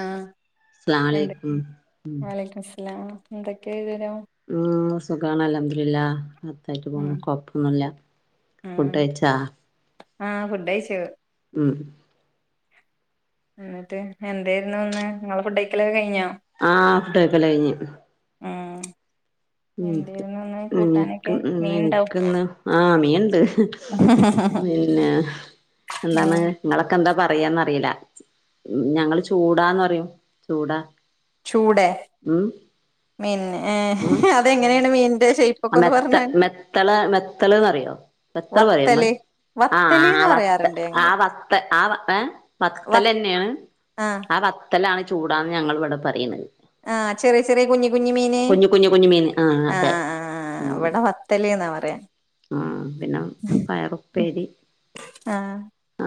ആ അസ്സലാമു അലൈക്കും ഉം വലിക്കുമ്മുസലാം എന്തൊക്കെ? ഉം സുഖാണ് അല്ഹംദുലില്ലാഹ് രാഹത്ത് ആയിട്ട് പോണ് ഉം കോഴപ്പൊന്നുല്ല. ഫുഡ് കഴിച്ച? ഫുഡ് കഴിച്ചു. എന്നിട്ട് എന്തായിരുന്നു ഇന്ന് നിങ്ങളെ ഫുഡ് കഴിക്കലൊക്കെ കഴിഞ്ഞോ? ആഹ് ഫുഡ് കഴിക്കല് കഴിഞ്ഞു. മ് എനിക്ക് എനിക്ക് ഉം മീൻണ്ടാവും എനിക്ക് ഇന്ന് ആ മീനുണ്ട്. പിന്നെ എന്താണ് ഉം നിങ്ങളൊക്കെ എന്താ പ ന്നറിയില്ല ഞങ്ങള് ചൂടാന്ന് പറയും ചൂടാ. ചൂട ഉം മീൻ ഹെ ഹാ ആ മെത്ത മെത്തള മെത്തളന്ന്റിയോ മെത്തള പറയുമ്പോ വത്തല് ആ വത്തല്ന്ന് ആ വത്ത പറയാറുണ്ട് ആ ഞങ്ങള് വത്ത ആ വ വത്തൽ തന്നെയാണ് ആഹ് ആ വത്തലാണ് ചൂടാന്ന് ഞങ്ങൾ ഇവിടെ പറയുന്നത്. ആ ചെറിയ ചെറിയ കുഞ്ഞി കുഞ്ഞി മീന് കുഞ്ഞു കുഞ്ഞു കുഞ്ഞു മീൻ ആ ആഹ് അതെ. ആഹ് ആഹ് ഉം ഇവിടെ വത്തല്ന്നാ പറയാ ആ പിന്നെ പയറുപ്പേരി ആ ആ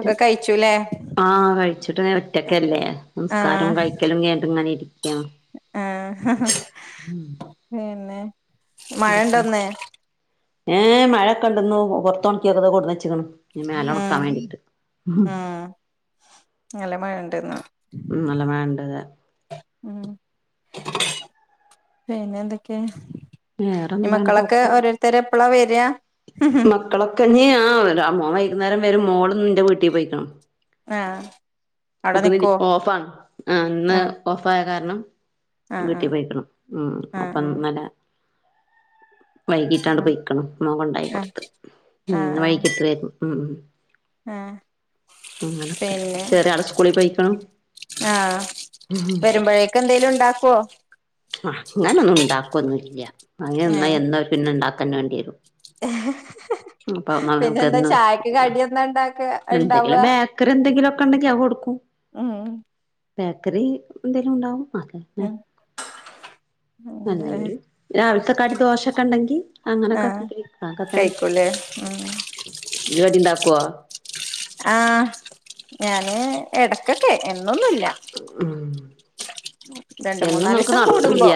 ഒക്കെ കഴിച്ചുല്ലേ? ആഹ് കഴിച്ചിട്ട് ഒറ്റക്കല്ലേ നിസ്കാരം കഴിക്കലും കഴിഞ്ഞിട്ട് ഇങ്ങനെ ഇരിക്കും ആ പിന്നെ മഴ ഇണ്ടോ എന്തൊക്കെ ഇന്ന്? ഏ മഴയൊക്കെണ്ടന്ന് പുറത്തു ഉണക്കിയതൊക്കെ കൊണ്ട് വന്ന് വെച്ചെക്കണു മേലെ ഉം ഉണക്കാൻ വേണ്ടിട്ട് ഉം നല്ല മഴണ്ട്ന്ന് നല്ല മയണ്ട്ത് ഉം പിന്നെ എന്തൊക്കെയ? ഈ വേറെന്താണ് മക്കളൊക്കെ കൊഴപ്പം ഓരോരുത്തര എപ്പള വര മക്കളൊക്കെ ഇനി ആ മോൻ വൈകുന്നേരം വരും മോള് ഇന്ന് എൻ്റെ വീട്ടി പോയിക്കണ്. ആ. ഓക്ക് ന്ന് ലീ ഓഫ് ആണ് ആ ഇന്ന് ആഹ് ഓഫായ കാരണം ആഹ് വീട്ടി ആഹ് പോയിക്കണ് ഉം അപ്പം ആഹ് നല്ല വൈകീട്ടാണ്ട് പെയിക്കണ് മോൻ കൊണ്ടാക്കി ആഹ് ആഹ് കൊടുത്ത്. ഉം ആഹ് ഇന്ന് ആഹ് വൈകീട്ട് വരും ഉം ആഹ് അങ്ങനൊക്കെ പിന്നെ ചെറിയാള് സ്കൂളി പോയിക്കണ്. ആഹ് വരുമ്പഴേക്ക് എന്തേലും ഉണ്ടാക്കുവോ ഹ അങ്ങനൊന്നും ഉണ്ടാക്കൊന്നല്ല്യ അങ്ങനെ എന്ന പിന്നെ ഇണ്ടാ ക്കണ്ണണ്ടിവരും [inaudible] പിന്നെ നമുക്ക് എന്താ എന്നും ചായക്ക് കടിയന്താ ഇണ്ടാക്ക ഉണ്ടാവ? ക്കണ്ടാക്കി അവ്ക്കൊടുക്കും. ഉം. ബേക്കറി എന്തെലും ഉണ്ടാവും. അത് തന്നെ ഉം അങ്ങനെല്ലേ അല്ലെങ്കിൽ രാവിലത്തെക്കടി ദോശൊക്കെ ഉണ്ടെങ്കി അങ്ങനൊക്കെ ആഹ് [unintelligible] തന്നെ കഴിക്കൂലേ ഉം ഈയ് കടി ഉണ്ടാക്കുവോ? ആ ഞാന് എടക്കൊക്കെ എന്നൊന്നുല്ല. ഉം രണ്ട് എന്നും മൂന്നാല് നമുക്ക് ദിസം കൂടുമ്പോ. നടക്കൂല്ല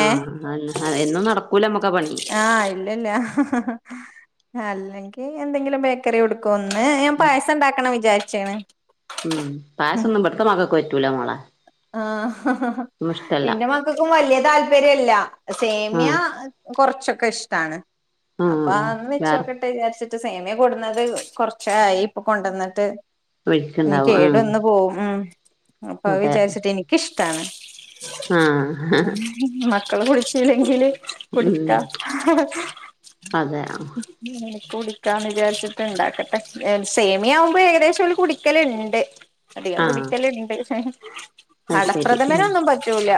ഏ അതന്നെ എന്നും നടക്കൂല നമ്മക്കാ പണി ആഹ് ഇല്ലല്ല. അല്ലെങ്കി എന്തെങ്കിലും ബേക്കറി കൊടുക്കും. ഒന്ന് ഞാൻ ഉം പായസം ഉണ്ടാക്കണം വിചാരിച്ചാണ്. ഉം റ്റൂല മോളെ. ആഹ് ഹ ഹ ഹാ ഒന്നും ഇഷ്ടല്ല എന്റെ മക്കക്കും വല്ല്യ താൽപര്യല്ല സേമിയ ആഹ് കൊറച്ചൊക്കെ ഇഷ്ടാണ് ആഹ് അപ്പൊ ആഹ് അന്ന് വേറെ വെച്ചനോക്കട്ടെ വിചാരിച്ചിട്ട് സേമിയ കൊടുന്നത് കൊറച്ചായി ഇപ്പൊ കൊണ്ട് വന്നിട്ട് വഴിക്ക്ണ്ടാവും ആഹ് എകേടവന്ന് പോവു ഉം അപ്പൊ അ വിചാരിച്ചി ഇഷ്ടാണ് ആ ഹ് ഹാ മക്കള് കുടിച്ചില്ലെങ്കില് കുടിക്കാ അതെ [unintelligible] കുടിക്കാന്ന് വിചാരിച്ചിട്ട് ഇണ്ടാക്കട്ടെ സേമിയ ആവുമ്പോഴ് ഏകദേശം ഒള് കുടിക്കലണ്ട് അധികം ആഹ് കുടിക്കലണ്ട് അത് ശരി ഉം അടപ്രഥമനൊന്നും പറ്റൂല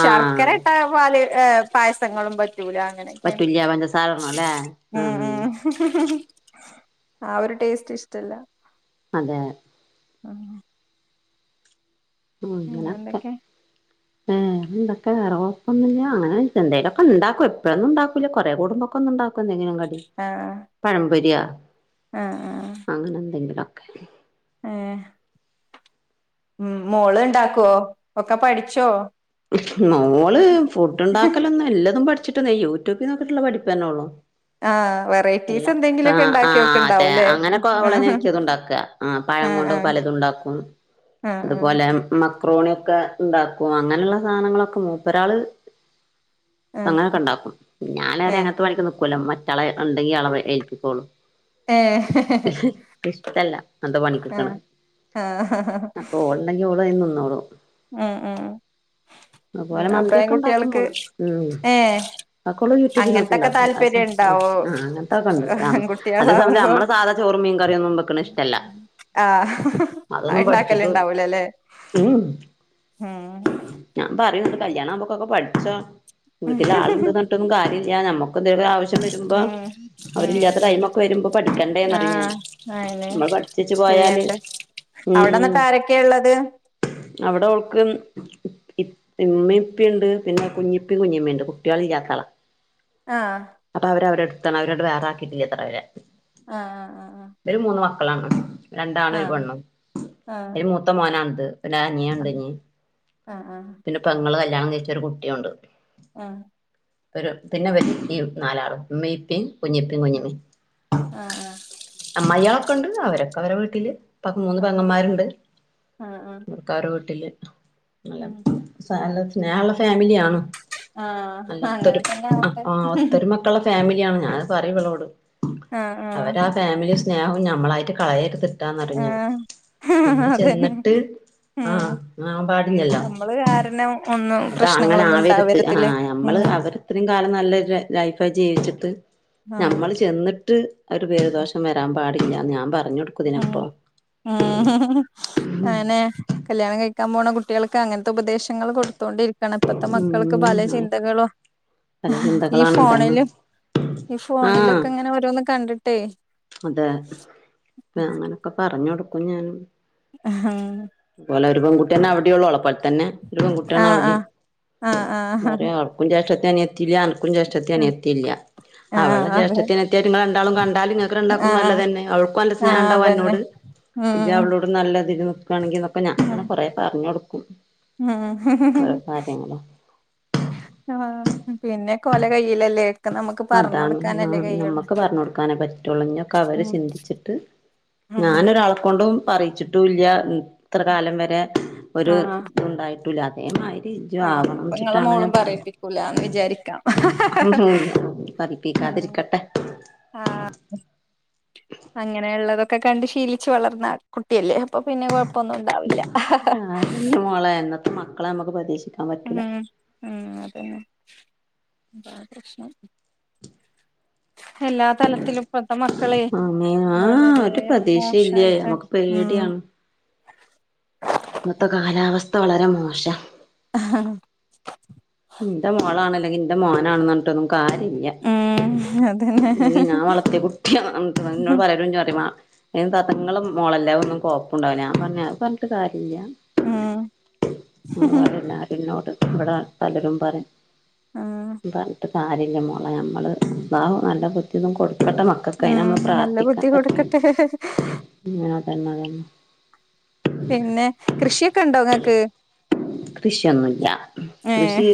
ശർക്കര ആഹ് ഇട്ട പാല് ഏ പായസങ്ങളും പ റ്റൂല അങ്ങനെയൊക്കെ പറ്റൂല്ല പഞ്ചസാരടണല്ലേ ഉം ഉം ആ ഒരു ടേസ്റ്റ് ഇഷ്ടല്ല അതെ [unintelligible] ഉം പിന്നെ അങ്ങനെക്കെ എന്തൊക്കെ [unintelligible] എന്തോലൊക്കെ ഇണ്ടാക്കും എപ്പേഴെന്നുണ്ടാക്കൂല കൊറെ കൂടുമ്പോക്കൊന്ന് ഇണ്ടാക്കും എന്തേലും കടി ആഹ് [unintelligible] പഴമ്പൊരിയാ ആഹ് ആഹ് ആ എന്തെങ്കിലൊക്കെ ഏഹ് ഉം മോള് ഇണ്ടാക്കോ ഒക്കെ പഠിച്ചോ മോള് ഫുഡ് ഉണ്ടാക്കലൊന്നും എല്ലതും പഠിച്ച ചിട്ടില്ല യൂടൂബിൽ നോക്കിട്ടുള്ള പഠിപ്പെന്നെ ഉള്ളൂ ആഹ് അല്ല വെറൈറ്റീസ് അ എന്തെങ്കിലുമൊക്കെ ആ ഉണ്ടാക്കിയൊക്കെ അതെ ഉണ്ടാവൂല്ലേ അങ്ങനെക്ക ഓളന്നെ ആഹ് മിക്കതുണ്ടാക്ക ആ പഴം കൊണ്ട് ആഹ് പലതും ഉണ്ടാക്കും ആഹ് അതുപോലെ മം അ മക്രോണിയൊക്കെ ഉണ്ടാക്കും അങ്ങനെയുള്ള സാധനങ്ങളൊക്കെ മൂപ്പരാള് ആഹ് അങ്ങനെയൊക്കെ ഉണ്ടാക്കും ഞാനേരെ ഏഹ് അങ്ങനത്തെ പണിക്കൊന്നും നിക്കൂല മറ്റാളെ ഉണ്ടെങ്കി അളെ ഏൽപ്പിക്കോള്ളു ഏഹ് ഇഹ് ഇൻക്ക് ഇഷ്ടല്ല ഇങ്ങൻത്ത പണിക്ക് നിക്കണെ ആഹ് ആഹ് അപ്പൊ ഓള്ണ്ടെങ്കി ഓള് അയിന് നിന്നോളൂ ഉം ഉം ഉം അതേപോലെ മന്തിയൊക്കെ ഇണ്ടാക്കും അപ്പഴാൻകുട്ടികൾക്ക് മോള് ഉം ഏഹ് അധോക്കെ ഓള് യൂട്യൂബിൽ നോക്കി അങ്ങനത്തൊക്കെ ഉണ്ടാക്കും താല്പര്യം ഉണ്ടാവോ അങ്ങനത്തൊക്കെ ഉണ്ട് അ അതേ സമയത്ത് ആൺകുട്ടികളാവുമ്പോ നമ്മളെ സാധ ചോറ് മീങ്കറിയൊന്നും വെക്ക്ണ ഇഷ്ടല്ല ആഹ് ഹിഹ് അതൊന്നും പഠിച്ചിട്ട് ആഇണ്ടാക്കലുണ്ടാവൂല ല്ലേ ഉം ഞാൻ പറയണണ്ട് കല്യാണം ആകുമ്പൊക്കൊ പഠിച്ചോ വീട്ടില് ആളുണ്ട് പറഞ്ഞിട്ടോന്നും കാര്യമില്ല ഞമ്മക്ക് എന്തെലൊരുആവശ്യം വരുമ്പോ ഉം ഉം അവരില്ലാത്ത ടൈമ് ഒക്കെ വരുമ്പോ പഠിക്കണ്ടേന്നറിയും ഞാന് ആഹ് നമ്മള് പഠിച്ചച്ച് പോയാല് ഉം അവിടെന്നിട്ട് ആരൊക്കെയ ഇള്ളത് അവിടെ ഓൾക്ക് ഇ ഇമ്മീം ഇപ്പിണ്ട് പിന്നെ കുഞ്ഞിപ്പി കുഞ്ഞിമ്മിണ്ട് കുട്ടിയള് ഇല്ലാത്ത ആളാ ആഹ് അപ്പൊ അവര അവരെടുത്താണ് അവരെ വേറെ ആക്കിയിട്ടില്ല ഇത്രവരെ ആഹ ആഹ് ആഹ് ആഹ മക്കളാണ് രണ്ടാണു ഒരു പെണ്ണും ആഹ് അയില് മൂത്ത മോനാണിത് ഓന്റെ അനിയൻ ഇണ്ട് ഇഞ് ആ ആഹ് പെങ്ങള് കല്യാണം കഴിച്ചൊരുകുട്ടിയുണ്ട് ആഹ് [unintelligible] നാലാള് ഇമ്മീം ഇപ്പിം കുഞ്ഞിപ്പി കുഞ്ഞിമ്മി ആഹ് ആഹ് അമ്മയാളക്കെണ്ട് അവരൊക്കെ അവരെടെ വീട്ടില്- പ മൂന്ന് ആഹ് പെങ്ങമാരുണ്ട് ആഹ് ആഹ് ക്കെ അരുടെ വീട്ടില്. ഉം നല്ല സ്നേഹ ള്ള ഫാമിലിയാണ്. ആഹ് നല്ല അങ്ങനെ ഒത്തരു തന്നെ ആവട്ടെ ആ ഒത്തരുമക്കള്ള ഫാമിലിയാണ് ഞാൻ പറയും വളോട്. ആഹ് ആഹ് അവരാ ഫാമിലി സ്നേഹവും ഞമ്മളായിട്ട് കളയരുത് ആഹ് നമ്മള് അതന്നെ ചെന്നിട്ട് ആ- ഉം നമ്മള് കാരണം ഒന്നും അത അങ്ങനെ പ്രശ്നങ്ങളൊന്നും ആവരുത് ആ ഉണ്ടാവരുതില്ലേ നമ്മള് ഉം അവര് ഇത്രിം കാലം നല്ല- ജീവിചിട്ട് ആഹ് ഞമ്മൾ ചെന്നിട്ട് - ഒരു പേരുദോഷം വരാൻ പാടില്ലാന്ന് ഞാൻ പറഞ്ഞ- ഉഹ് ഉഹ് അങ്ങനെ കല്യാണം കയ് - ക്കാൻ പോണ കുട്ടികൾക്ക് അങ്ങനത്തെ ഉപദേശങ്ങൾ കൊടുത്തോണ്ടിരിക്കണം ഇപ്പത്തെ മക്കൾക്ക് പല ഉം ചിന്തകളും- പല ഈ ചിന്തകളാണ് ഇതാണ് ഫോണിലും ഈ ആഹ് ഫോണിലൊക്കെ ങ്ങനെ ഓരോന്ന് കണ്ടിട്ട്- അതെ അങ്ങനൊക്കെ പറഞ്ഞു കൊടുക്കും ഞാനും. ആഹ് പോലെ ഒരു പെൺ കുട്ടിന്നെ അവിടെള്ളൂ ഓളെ പോലെ തന്നെ. ഒരു പെൺകുട്ടിയാണ് ആഹ് അവിടിം ആഹ് ആഹ് അവക്കും ജേഷ് - അനിയത്തില്ലഅനക്കും ജേഷ്‌ടത്തി അനിയത്തില്ല അവളെ ആഹ് അതെ ജേഷ്ഠത്തി അനിയത്തി ആയി ഇങ്ങള് രണ്ടാളും കണ്ടാലും ണ്ടാക്കും ആഹ് ആഹ് നല്ലതന്നെ അവൾക്കും നല്ല ആഹ് സ്നഹംണ്ടാവും അതന്നെ അന്നോട് ഇജ്ജ് ഉം അവളോട് നല്ലതിൽ - ണെങ്കിൽ എന്നക്കെ ഞാൻങ്ങനെ കുറെ പറഞൊടുക്കും മ് ഹ് കാര്യങ്ങള് ഹ് പിന്നെക്കെ ഓല കൈയിലല്ലേ. അതാണ് നമ്മുക്ക് പറഞ്ഞ കൊടുക്കാനേ പറ്റുള്ളൂ ഞൊക്കെ അവര് ഉം ചിന്തിച്ചിട്ട്- ഉം ഞാനൊരാളെ കൊണ്ടും- പറിച്ചിട്ടും ഇല്ല ഇത്ര കാലം വരെ ഒരു ആഹ് ഇതും ഇണ്ടായിട്ടില്ല അതേമാതിരി - ആഹ് അപ്പൊ ങ്ങളെ മോളും പറീപ്പിക്കൂലാന്ന് വിചാരിക്കാം. ഉം പറീപ്പിക്കാതിരിക്കട്ടേ. ആഹ് അങ്ങനെയുള്ളതൊക്കെ കണ്ട് ശീലിച്ച് വളർന്ന കുട്ട്യല്ലേ അപ്പൊ പിന്നെ കൊ [unintelligible] മോളെ ഇന്നത്തെ മക്കള അമ്മക്ക് പ്രതീക്ഷി ഉം ഉം അതന്നെ ഇതാ പ്രശ്നം ഉം എല്ലാ തലത്തിലും ഇപ്പത്തെ മക്കളെ ആമ്മേ ആഹ് വളരെ ഒരു പ്രതീക്ഷയില്ലേ മോശായിട്ട് നമ്മുക്ക് ഉം [unintelligible] ഇന്നത്തെ കാലാവസ്ഥ വളരെ മോശാ ല്ലെങ്കി ഇന്റെ മോനാണ്ന്നർഞ്ഞ്ട്ടൊന്നും കാര്യല്ല ഉം അതന്നെ ഇല്ലെങ്കി ഞാൻ വളർത്തിയ കുട്ടിയാ [unintelligible] ഇന്നോട് പറിയലന്നെ പറിമ്മാ അയിന് താത്ത ഇങ്ങളെ ഉം മോളല്ലെ അഹ് ഒന്നും കൊഴപ്പും ഉണ്ടാവുല്ലാ ഞാൻ പറ്ഞ്ഞ അഹ് പറഞ്ഞ്ട്ട് കാ ഇല്ല്യാ ഉം അഹ് പറിം നാത്തൂന് ഇന്നോട് ഇവടെ പലരും പറിം. ഉം പറ്ഞ്ഞ്ട്ട് കാര്യല്ല മോളെ ഞമ്മള് [unintelligible] നല്ല ബുദ്ധിയൊന്നും കൊട് ഇപ്പത്തെ മക്കൾക്ക് ഉം അയിനൊന്നും നല്ല പ്രാർത്ഥിക്കാൻ ബുദ്ധി പറ്റൂല്ല കൊടുക്കട്ടെ ഉം [unintelligible] അഹ് എന്നാണ് പിന്നെ കൃഷിയൊക്കണ്ടോ ഇങ്ങക്ക്? കൃഷിയൊന്നുല്ല ഏഹ് കൃഷി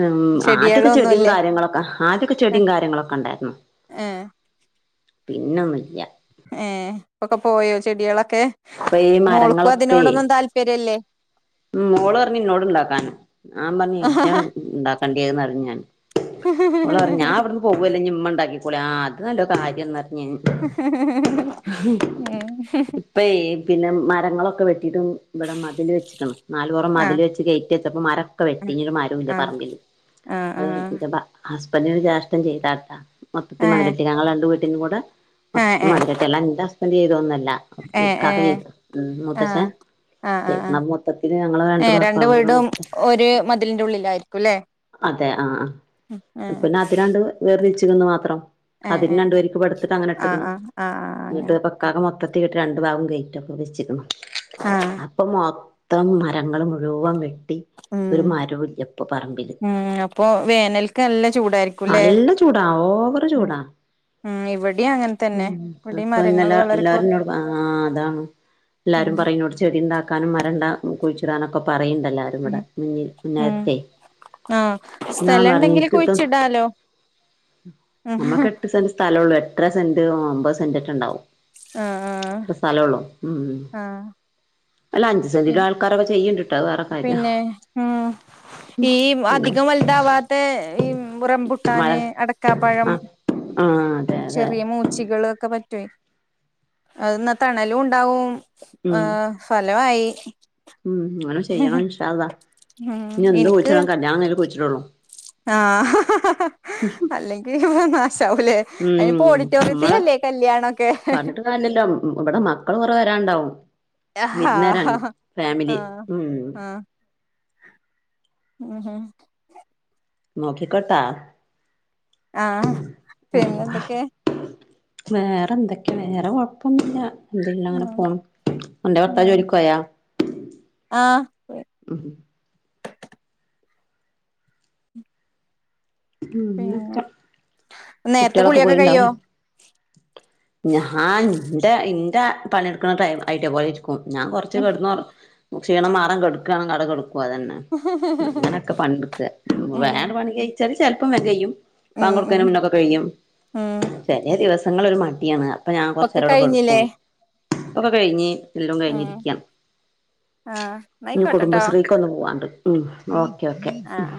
ഉം ആദ്യൊക്കെ ചെടിം കാര്യങ്ങളൊക്ക ആദ്യൊക്കെ ചെടിം കാര്യങ്ങളൊക്കണ്ടാരുന്നു ഏഹ് പിന്നൊന്നുല്ല ഏഹ് ഇപ്പൊക്കെ പോയോ ചെടിയളൊക്കെ ഇപ്പൊ ഈ മോൾക്കും അതിനോടൊന്നും താല്പര്യല്ലേ ഉം മോളറ്ഞ്ഞ് ഇന്നോട് ഇണ്ടാക്കാന് ഞാൻ പറ്ഞ്ഞ് ഇജ്ജാണ് ഇണ്ടാക്കണ്ട്യേന്നർഞ്ഞ് ഞാന് ഓളർഞ്ഞ് ഞാൻ ഇവട്ന്ന് പോവല്ലേ ഇഞ്ഞ് ഇമ്മണ്ടാക്കിക്കോളീം ആഹ് അത് നല്ല കാര്യംന്ന [unintelligible] ഇപ്പേ പിന്നെ മ മരങ്ങളൊക്കെ വെട്ടീട്ടും ഇവിടെ മതില് നാലുപൊറം ആ ആ മതില് വെച്ച് ഗെയ്റ്റ് വെച്ചപ്പം മരൊക്കെ വെട്ടി ഇനി ഒരു മരൂല്ല പറമ്പില് [inaudible] ആ ആ [unintelligible] മൊത്തത്തി ആ ഏ മതിലെട്ടി ഞങ്ങൾ രണ്ട് വീട്ടിലുങ്കൂടെ ഏ മൊത്തത്തി മതിലിട്ട് എല്ലാ ന്റെ ഹസ്ബന്റ് ചെയ്തോന്നല്ല ഏ ഏ ഏ ഇക്കാക്ക ചെയ്ത് മൂത്തച്ഛൻ [unintelligible] ഏഹ് രണ്ട് കൂടെ വീടും മൊത്തം ഒര് മതിലിന്റെ ഉള്ളിലായിരിക്കുല്ലെ അതെ ആ പിന്നെ അതി രണ്ട് വേർതിരിച്ചികിന് മാത്രം ഏ അതിന്ന് ഏ രണ്ട് വരിക് പഠിത്തിട്ട് അങ്ങനെ ആ ഇട്ട്കേണ് ആ ആ ആ അങ്ങനെ വീട്ടില് [unintelligible] മൊത്തത്തിൽ രണ്ട് ഭാഗം ഗെയ്റ്റ് ഒക്കെ വെച്ച്കിണ് ആ അപ്പം മൊത്തം മരങ്ങളും ളും വെട്ടി ഉം ഒരു മരോവില്ല ഇപ്പം പറമ്പില് ഉം അപ്പൊ വേനൽക്ക് നല്ല ചൂടായിരിക്കുംല്ലേ നല്ല ചൂടാ ഓവർ ഉം ചൂടാ ഉം ഇവിടെയും അങ്ങനെ തന്നെ ഇവിടെയും ഇപ്പ മരങ്ങൾ ഇന്നല വളരെ എല്ലാരും കൊറ ഇന്നോട് പ ആ അതാണ് എല്ലാരും ഉം പറിം എന്നോട് ചെടി ഇണ്ടാകാനും മരണ്ടാ കുഴിച്ചിടാനൊക്കെ പറിം ണ്ടല്ലാരും ഇവിടെ മുന്നിൽ മുന്നേരത്തെ ആഹ് സ്ഥലണ്ടങ്കി കുയിച്ചിടലോ നമ്മക്ക് എട്ട് സെന്റ് സ്ഥലള്ളൂ എട്ടര സെന്റ് ഒൻപത് സെന്റെക്കെ ഇണ്ടാവും ആ ആ സ്ഥലള്ളൂ ഉം ആ അല്ല അഞ്ചു പി സെന്റിലും ആൾക്കാരൊക്കെ ചെയ്യുണ്ട് പിന്നെ ഉം ഈ ചെയ്യാ അതികം വല്താവാത്ത ഈ റംബുട്ടാന് മരം അടക്കാപഴം ആ ആ അതെ അതെ ചെറിയ മൂച്ചികള് ഒക്ക പറ്റുവേ അത് ഇന്നാ തണലുണ്ടാകും ആ ഉം ഫലവായി. ഉം അങ്ങനെ ചെയ്യണം ഇന്ഷാ അല്ലാഹ് ഉം ഇഞ്ഞ് എന്ത് കുഴിച്ചിട കല്ലിയാണം കഴിഞ്ഞെ കുഴിച്ചിടുള്ളു. ആ ഹ് ഹ ഹ ഹ അല്ലെങ്കി പ്പ ന സവുല്ലെ അയിന് പ്പം ഉം നമ്മളെ ഓടിട്ടോറിയത്തിലെല്ലേ കല്ലിയാണക്കെ. കണ്ടാവും വിരുന്നരാണ് ഫാമിലി ഉം. ഉ ഹും മോഖി കത്ത ആ ഹ് പിന്നെന്തൊക്കെ? വേറൊന്തക്കെണ് വേറെ കൊയപ്പം ന്നൂല്ല്യ. ന്തുല്ലാ ഇങ്ങനെ ഉം പോണ് അന്റെ ഭർത്താവ് ഉം ജോലിക് പോയ? ആഹ് ഉം ഹും പിന്നെ ഇങ്ങക്കെ നേരത്തെ കുട്ട്യോളക്കെ കുളിയൊക്കെ കഴിയോ പോയിണ്ടാവുല്ലേ ഞാൻ ന്റെ ന്റെ പണിടക്കണ ടൈ ആയിറ്റേ പോലിരിക്കും ഞാൻ കൊർച്ച് ഉം കേട്ന്നൊറു ഷീണം മാറാ കേട്ക്കാണെ അവിടെ കേട പോതെന്നെ അങ്ങനെക്കെ പണിടക്ക വേണ്ട പണികഴിച്ചാൽ ചെലപ്പം വേം കഴിയും. ഉം ഉം ബാങ്കൊടക്കിനമുന്നേ ക്കെ കഴിയും. ഉം ചെലെദിവസങ്ങളില് ഒരു മടിയാണ്. അപ്പം ഞാൻ ഒക്കെ കോർചേരം അവിടെ കഴിഞ്ഞില്ലേ കിടക്കും ഇപ്പക്കെ കഴിഞ്ഞ് എല്ലും കയിഞ്ഞ് ഉം രിക്കാണ് ആഹ് ന്നാ നി കുടുംബ ആയിക്കോട്ടെട്ടോ ശ്രീകൊന്ന് പോവണ്ട്. ഉം ഒക്കെ ഒക്കെ. ആഹ് ആഹ്